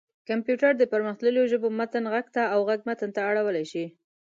کمپيوټر د پرمختلليو ژبو متن غږ ته او غږ متن ته اړولی شي.